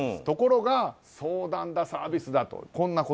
ところが、相談だサービスだと。